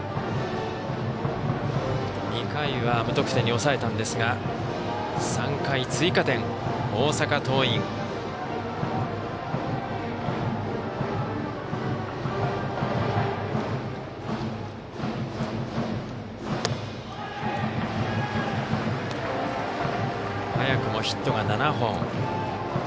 ２回は無得点に抑えたんですが３回、追加点、大阪桐蔭。早くもヒットが７本。